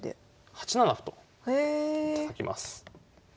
８七歩とたたきます。